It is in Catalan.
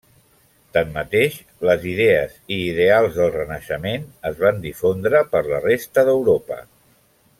Tanmateix, les idees i ideals del renaixement es van difondre per la resta d'Europa.